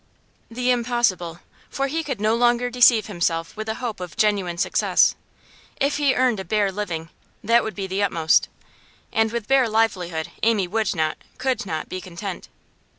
The impossible; for he could no longer deceive himself with a hope of genuine success. If he earned a bare living, that would be the utmost. And with bare livelihood Amy would not, could not, be content.